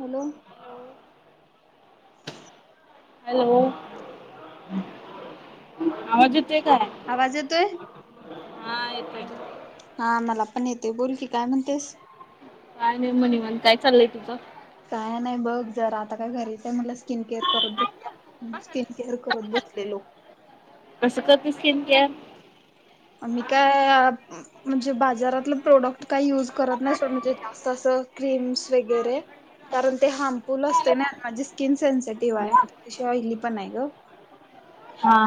Hello hello. आवाज येतोय काय? आवाज येतोय. हा येतोय. हा मला पण येते बोल की, काय म्हणतेस. काय नाही म्हनीमान काय चाललय तुझ. काय नाही बघ जर आता काय घरीचय म्हनल स्किन केअर करून घेऊ या. स्किन केअर करून बसलेलो. कस करते स्किन केअर. मी काय. म्हणजे बाजारातल प्रोडक्ट काही युज करत नाही अस जास्त अस म्हणजे क्रीम्स वगैरे. कारण ते हार्मफुल असते ना आणि माझी स्किन सेन्सिटिव आहे. तशी ऑयली पण आहे ग,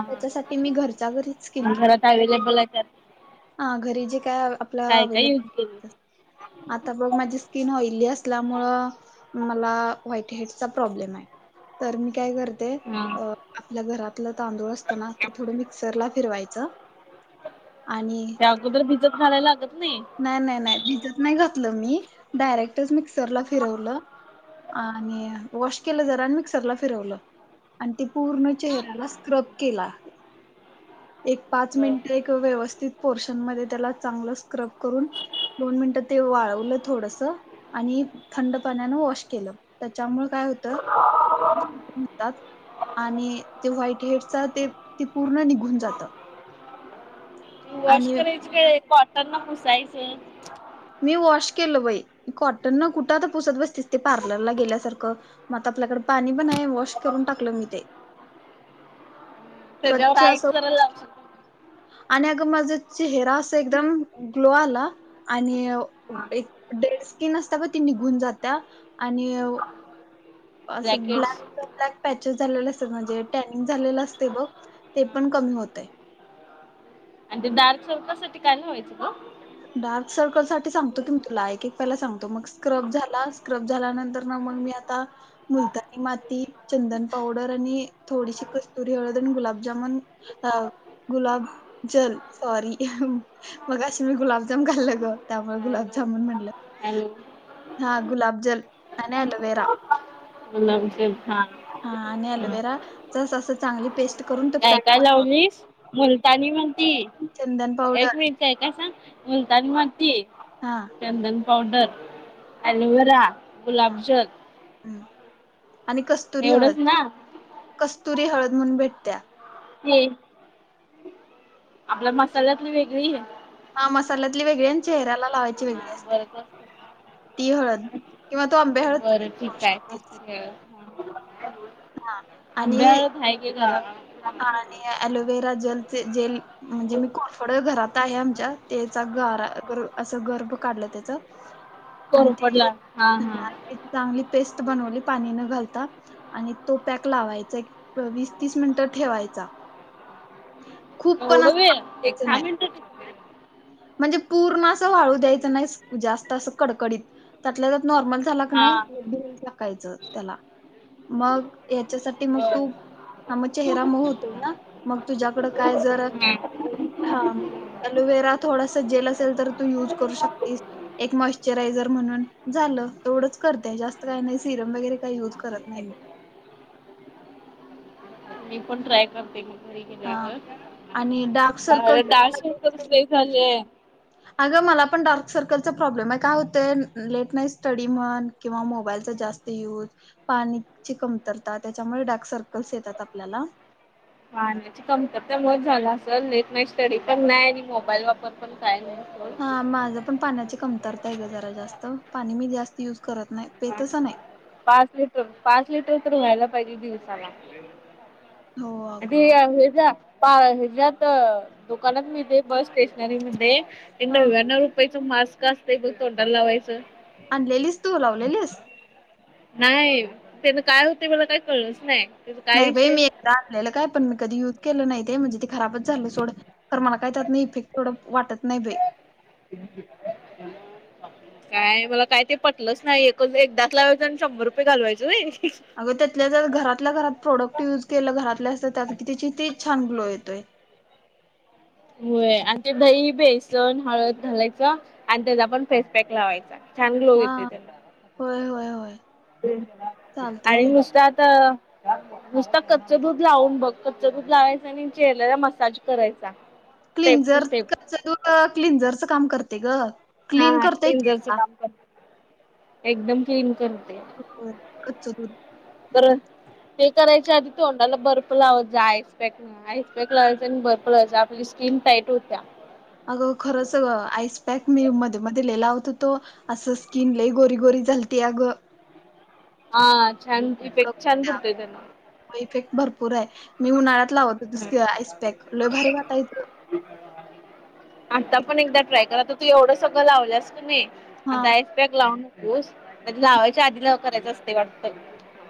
त्याच्यासाठी मी घरच्या घरी अन घरात ॲवेलेबल आहे का? हा घरी जे काय आपला काय काय युज केली? अवेलेबल आता बघ माझी स्किन ओईली असल्यामुळ मला व्हाईट हेडचा प्रॉब्लेम आहे तर मी काय करते हा. अ आपल्या घरातल तांदूळ असताना ते थोड मिक्सरला फिरवायच ते अगोदर भिजत घालायला लागत नाही? नाही नाही नाही भिजत नाही घातल मी डायरेक्टच मिक्सरला फिरवल आणि वॉश केल जरा अन आणि मिक्सरला फिरवल. आण ते पूर्ण चेहऱ्याला स्क्रब केला. एक पाच बर. मिनिटे एक व्यवस्थित पोर्शन मध्ये त्याला चांगल स्क्रब करून दोन मिनिट ते वाळवल थोडस. आणि थंड पाण्यानं वॉश केल त्याच्यामुळे काय होत. तात आणि ते व्हाईट हेड चा ते ते पूर्ण निघून जातात. त. वॉश करायची काय कॉटन न पुसायचं होतं. मी वॉश केलं बाई, कॉटन न कुठं आता पुसत बसतेस ते पार्लरला गेल्यासारखं. म आता आपल्याकडे पाणी पण आहे वॉश करून टाकलं मी. त्याच्यावर स्वच्छ आईस असं, जरा लावू शकतो. आणि अगं माझं चेहेरा अस एकदम ग्लो आला, आणि अ- एक डेड स्किन असता का ती निघून जात्या आणि अ- असं ब्लॅकेट्स ब्लॅक, ब्लॅक पॅचेस झालेले असत म्हणजे टॅनिंग झालेलं असते बघ ते पण कमी होतं. आणि ते डार्क सर्कलसाठी काय करायचं? डार्क सर्कल साठी सांगतो की मी तुला, एक एक पहिला सांगतो मग स्क्रब झाला स्क्रब झाल्यानंतर, म मग मी आता- मुलतानी माती चंदन पावडर आणि थोडीशी कस्तुरी हळद आणि गुलाबजामन- अ गुलाब जल सॉरी मगाशी- मी गुलाबजाम खाल्लं ग त्यामुळे हॅलो. गुलाबजामुन म्हणलं. हॅलो हा गुलाब जल आणि ॲलोवेरा. गुलाबजल हां. आ आणि ॲलोवेरा जस जस असं चांगली पेस्ट- करून तो काय पॅक काय बनव लावलीस, मुलतानी माती चंदन पावडर एक मिनिटं- काय काय सांग मुलतानी माती हा चंदन पावडर, ॲलोवेरा, गुलाबजल ह आणि कस्तुरी हळद एवढंच ना कस्तुरी हळद म्हणून भेटत्या. ती. आपल्या मसाल्यातली वेगळीय. हां मसाल्यातली वेगळी अन चेहऱ्याला लावायची वेगळी आहे. बरबर ती हळद किंवा तू अंबे हळद चा उपयोग करुशकते. हम्म हा आणि आंबी हळद हाय की घरात. आणि ॲलोवेरा जलचे जेल- म्हणजे मी कोरफड घरात आहे आमच्या, तेचा गारा असं गर्भ काढलं त्याचं. [inaudible] कोरफडला हा हा एक चांगली पेस्ट बनवली पाणी न घालता. आणि तो पॅक लावायचा, एक वीस तीस मिनिटं ठेवायचा‌. एवढं वेळ एक वाफवायचं नाही दहा मिनटं- म्हणजे पूर्ण असं वाळू द्यायचं नाही, जास्त अस कडकडीत त्यातलंत्यात नॉर्मल- झाला हा नाही धुऊन टाकायचं त्याला, मग हच्यासाठी मग बरं तू, ह मग चे चेहरा मऊ होतय ना, मग तुझ्याकड काय जर- हा. हां ॲलोवेरा थोडासा जेल असेल तर तू युज करू शकतीस. एक मॉशरायझर म्हणून झालं, तेवढंच करतेय जास्त काही नाही सिरम वगैरे काही युज करत नाही मी. मी पण ट्राय करते मी घरी हा आणि डार्क गेल्यावर सर्कल अ तर डार्क स- खूप मला स्पेस झालीय. अगं मला पण डार्क सर्कलचा प्रॉब्लेम आहे. काय होत लेट नाईट स्टडी म्हण, किंवा मोबाईलचा जास्त यूज- पाणीची कमतरता त्याच्यामुळे डार्क सर्कल्स येतात आपल्याला, पाहण्याची कमतरता मुळं झाला असल, लेट नाईट स्टडी पण नाही र मोबाईल वापर पण काय नाही असं, हा माझ पण पाण्याची कमतरता आहे ग जरा जास्त पाणी मी जास्त युज करत नाही पेतंच नाही. पाच लिटर पाच लिटरत व्हायला पाहिजे दिवसाला. हो अ ते अगं हे जा हेच्यात दुकानात मी दे. बसं स्टेशनरी मध्ये हा नव्याण्णव रुपयाचं मास्क असतंय बघ तोंडाला लावायचं. लेलिस तू लाव ललेलिस? नाही त्यान काय होते मला काय कळलंच नाही. त्याचा काय नाही बाई विषय? मी एकदा आणलेलं काय पण मी कधी युज केलं नाही ते म्हणजे ते खराबच झालं सोडं. तर मला काय त्यातनं इफेक्ट थोडं वाटत नाही बाई. ह ह काय मला काय ते पटलंच नाही एकच एकदाच लावायचं आणि शंभर रुपये घालवायच व्हय. अग त्यातल्या जर घरातल्या घरात प्रोडक्ट युज केलं घरातल्या असत त्यात क त्याची ते छान ग्लो येतोयं. होय आणि ते दही बेसन हळद घालायचं आणि त्याचा पण फेसपॅक लावायचा. छान ग्लो हा येतो त्याचा. होय होय होय. आणि नुसतं आता. ह नुसता कच्च दूध लावून बघ कच्च दूध लावायचा आणि चेहरराला मसाज करायचा. स्टेप टू क्लिंजर स्टेप क तू क्लिंझरचं काम करते गं. हा क्लीनजर कामं करते एकदम क्लीन करते. हो कच्चो दुध. तर ते करायच्या आधी तोंडाला बर्फ लावतं जा आईस पॅक. आईस पॅक लावायचा आणि बर्फ लावायचा आपली स्किन टाईट होत्या. अगं खरंच आईस पॅक मी मध्ये - मध्ये लिहिला होतो तो. असं स्किन ल गोरी गोरी झालते अ गं. हा छान इफेक्ट छान पडतो त्यांना. हो इफेक्ट भरपूर आहे मी उन्हाळ्यात लावतो दुसक आईसपॅक लई भारी वाटायचं. आता पण एकदा ट्राय क तर तू एवढं सगळं लावलंस कि नाही. हा आता आईस पॅक लावू नकोस लावाच्या आधी नाव करायचं असते वाटतं.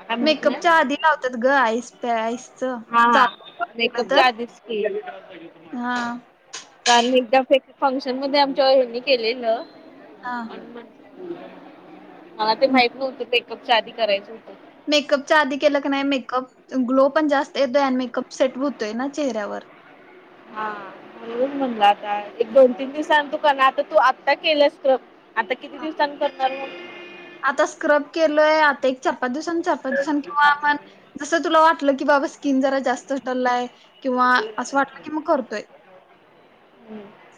काय माहित मेकअप नाही च्या आधी लावतात ग आईस आईस च हा हा चालूलं तुला मेकअपच्या धर आधीच की हा. कारण एकदा फंक्शन मध्ये आमच्या हनी केलेलं. हा. आणि मला ते माहित नव्हत पेकअपच्या आधी करायचं होतं. मेकअप आधी केलं क नाही मेकअप ग्लो पण जास्त आहे दोन मेकअप सेट होतोय ना चेहऱ्यावर. हा ये म्हगलं आता एक दोन तीन दिवसां तू काना आता तू आत्ता केलंस. आता किती हां. दिवसांनी करणार मगं. आता स्क्रब केलोय आता एकचार पाच दिवसांनी चार पाच दिवसांनी किंवा आपण. जसं तुला वाटलं की बाबा स्किन जरा जास्त ठरलाय किंवा असं वाटलं की मग करतोय.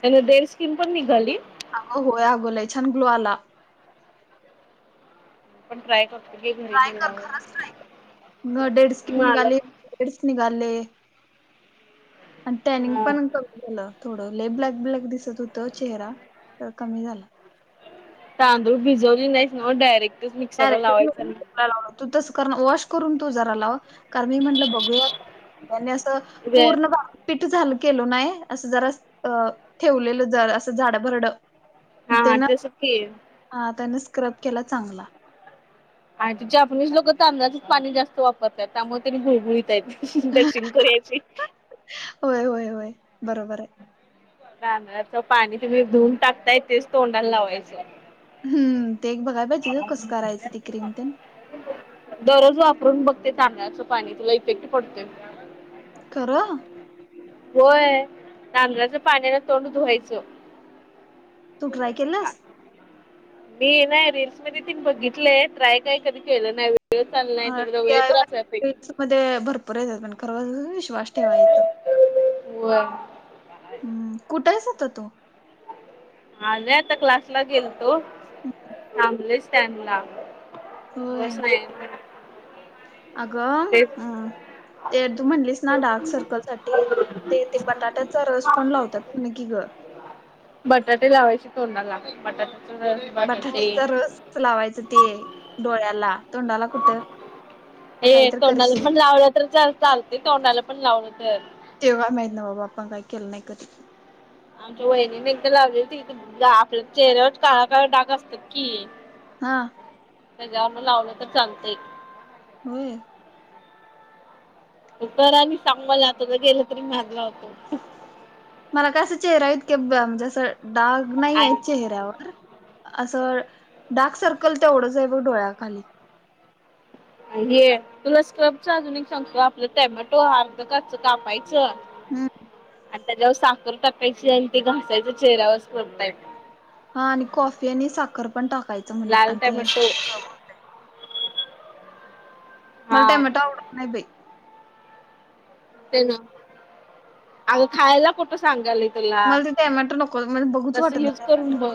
त्यानं देड स्कीिन पण निघाली. अगं होय छान ग्लो आला. पण ट्रय करतो. घे घरी ट्राय कर खरच गेल्यावर ट्राय कर म डेड स्किन मला निघाले पण बेडस निघाले. आणि टॅनिंग हा पण कमी झालं थोडं ले ब्लॅक ब्लॅक दिसत होत चेहरा तर कमी झाला. तांदूळ भिजवली नाहीव डयरेक्ट. डायरेक्ट लाव तू तस कर वॉश करून तू जरा लाव कारण मी म्हटलं बघूया त्यांनी असं, नाही. पूर्ण बाकी पीठ झालं केल नाही, असं जरा अ ठेवलेलं जर असं झाड भरड. हा हा त्यान, तस की हा त्यान स्क्रब केला चांगला. आणि जापनीज लोक तांदळाचेच पाणी जास्त वापरतात, त्यामुळे त्यांनी गुळगुळीत आहेत. दक्षिण कोरियाची. होय-होय-होय बरोबर आहे. कांदळाच पाणी तुम्ही धुऊून टाकताय, तेच तोंडाला लावायचं. हम्म, ते एक बघाय पाहिजे का कसं करायचं, ते क्रीम तेन. दररोज वापरून बघ ते तांदळाच पाणी, तुला इफेक्ट पडते बग. खर. होय, तांदळाच्या पाण्यान तोंड धुवायचं. तू ट्राय केलास. मी नाही रीलल्स मध्ये ती बघितलंय, ट्राय काय कधी केलं नाही. वेळ अ, चाललंय, थोड-थोड वेळ त्रास हाय बाई मध्ये भरपूर येतात पण खर विश्वास ठेवाच. व्हय. हम्म, कुठे आहेस आता तू? आलोय आता क्लास ला गेल तो, हम्म, थांबलोय टॅड ला. होय. बस नाही म्हण. अगं अ, ते तू म्हणलीस ना डार्क सर्कल साठी ते-ते बटाट्याचा रस पण लावतात की ग. बटाटे लावायचे तोंडाला, बटाटे रस बटाट्याचा रस लावायच ते डोळ्याला, तोंडाला कुठं. हे काहीतरी तोंडाला करशील पण लावलं तर च चालते, तोंडाला पण लावलं तर. तेव्हा माहित ना बाबा, आपण काय केलं नाही कधी. आमच्या वहिणीने एखादा लावली ती आपल्या चेहऱ्यावर काळा-काळ डाग असतात की. हा. त्याच्यावरन लावलं तर चालत. होय. तू करा आणि सांग मला, तुझं गेलं तरी माज लावतो. मला कसा चेहरा इतके, म्हणजे आस डाग नाहीय आणि चेहऱ्यावर असं डार्क सर्कल तेवढंच आहे बघ डोळ्याखाली. हे, तुला स्क्रबचा अजून एक सांगतो, आपलं टोमॅटो अर्ध कच्च कापायच च हम्म आणि त्याच्यावर साखर टाकायची आणि ते घासायचा चेहरा स्क्रब टाईप. हा आणि कॉफी आणि साखर पण टाकायची लाल टोमॅटो. हा मला टायमेट आवडणार नाही बाई. तेन, अग खायला कुठं सांगालय. तुला, मला ते टॅमॅटो नको म्हणजे बघूच तस वाटत यूज नाही करून टॅमॅटो बघ.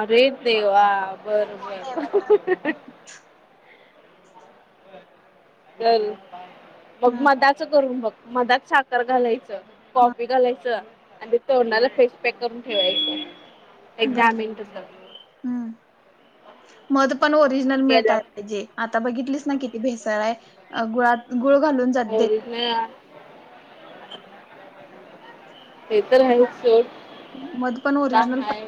अरे देव... ! टॅमॅटो बरं-बरं-बरं. [inaudible] बर, मग मधाच करून मग मधात साखर घालायचं, हा कॉफी घालायचं, आणि तोडला फेस पॅक करून ठेवायचं. एक दहा बर, मिनिट तर हम्म, मध पण ओरिजनल केल्या मिळतय. आता बघितली ना किती भेसळ आहे, गुळात गुळ घालून जात ओरी देत [inaudible] ते तर आहेच सूट. मध पण ओरिजनल प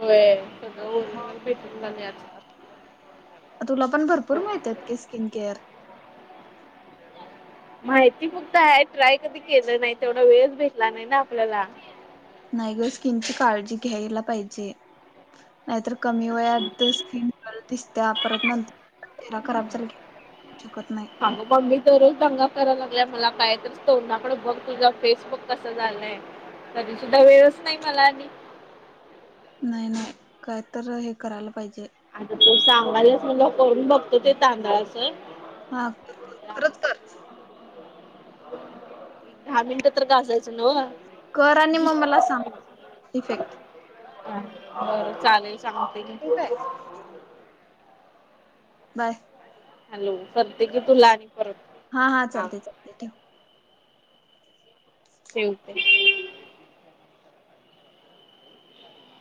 होय [inaudible] तुला पण भरपूर मिळतात की स्किन केअर. माहिती फक्त आहे ट्राय कधी केलं नाही तेवढा वेळच भेटला नाही ना आपल्याला. नाही ग स्किनची काळजी घ्यायला पाहिजे. नाहीतर कमी वयात स्किन दिसत्या परत नंतर चेहरा खराब झाला की शकत नाही. आग मम्मी दररोज दंगा कराय लागलाय मला काय तच तोड ना पण बघ तुझा फेस बघ कसा झालाय. तरी सुद्धा वेळच नाही मला आणि नाही नाही काय तर हे करायला पाहिजे. आता तु सांगालीस मला करून बघतो ते तांदळाच. हा कर कर खरंच कर. दहा मिनटं तर का घासायचं नव्ह? कर आणि मग मला सांग इफेक्ट. बरं चालेल सांगते. ठीक आहे बाय. हॅलो करते की तुला आणि परत. हा हा चालतय चालतय ठेव. ठेवते.